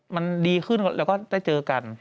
มันดีขึ้นแล้วก็ได้เจอกัน